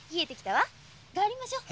さ帰りましょう。